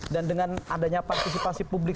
dan dengan adanya partisipasi publik